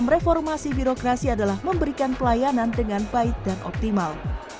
reformasi birokrasi adalah memberikan pelayanan dengan baik dan optimal